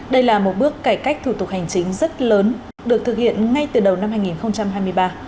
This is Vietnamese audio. đây là một bước cải cách thủ tục hành chính rất lớn được thực hiện ngay từ đầu năm hai nghìn hai mươi ba